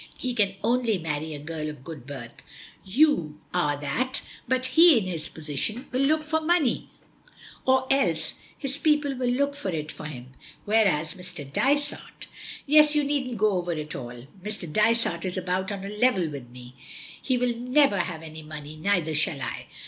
"He can only marry a girl of good birth. You are that, but he, in his position, will look for money, or else his people will look for it for him. Whereas, Mr. Dysart " "Yes, you needn't go over it all. Mr. Dysart is about on a level with me, he will never have any money, neither shall I."